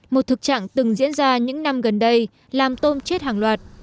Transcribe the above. một thực trạng từng diễn ra những năm gần đây làm tôm chết hàng loạt